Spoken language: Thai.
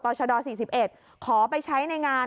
ชด๔๑ขอไปใช้ในงาน